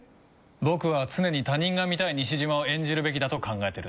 僕は常に他人が見たい西島を演じるべきだと考えてるんだ。